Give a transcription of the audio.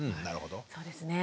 そうですね。